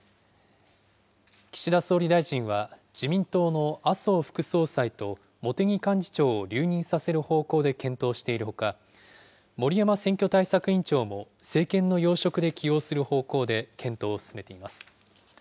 岸田総理大臣は自民党の麻生副総裁と茂木幹事長を留任させる方向で検討しているほか、森山選挙対策委員長も政権の要職で起用する方向で検討を進めています。